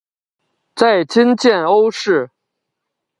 在今建瓯市。